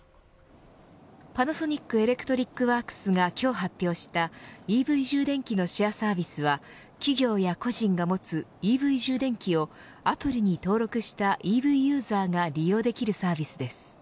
パナソニックエレクトリックワークスが今日発表したＥＶ充電器のシェアサービスは企業や個人が持つＥＶ充電器をアプリに登録したＥＶユーザーが利用できるサービスです。